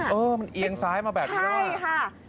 เออเอียงซ้ายมาแบบนี้เหรอวะ